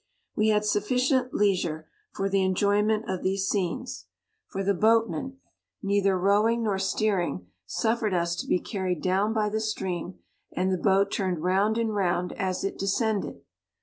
We had sufficient leisure for the en T joyment of these scenes, for the boat ' 70 men, neither rowing nor steering, suf fered us to be carried down by the stream, and the boat turned round and round as it descended.